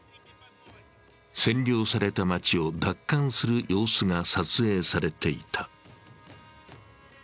占領された街を奪還する様子が撮影されていた。